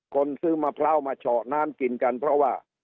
คนซื้อมะพร้าวมาเฉาะน้ำกินกันเพราะว่า